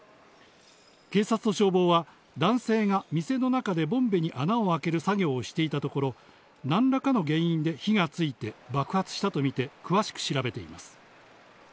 警察と消防は、男性が店の中でボンベに穴を開ける作業をしていたところ、なんらかの原因で火がついて爆発したと見て、詳しく調べています。